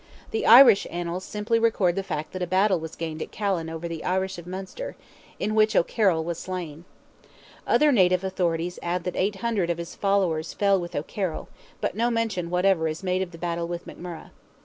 The Irish Annals simply record the fact that a battle was gained at Callan over the Irish of Munster, in which O'Carroll was slain. Other native authorities add that 800 of his followers fell with O'Carroll, but no mention whatever is made of the battle with McMurrogh.